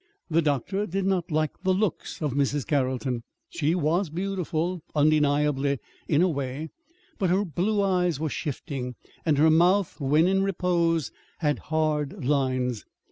The doctor did not like the looks of Mrs. Carrolton. She was beautiful, undeniably, in a way; but her blue eyes were shifting, and her mouth, when in repose, had hard lines.